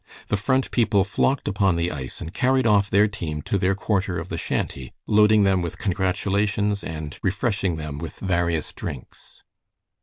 The Front people flocked upon the ice and carried off their team to their quarter of the shanty, loading them with congratulations and refreshing them with various drinks.